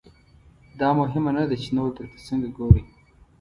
دا مهمه نه ده چې نور درته څنګه ګوري.